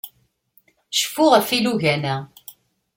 Cfu ɣef yilugan-a.